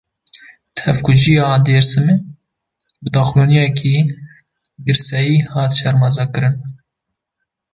Tevkujiya Dêrsimê, bi daxuyaniyeke girseyî hate şermezarkirin